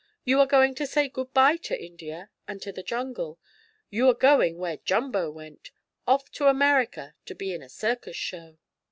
You are going to say good bye to India and to the jungle. You are going where Jumbo went off to America to be in a circus show!"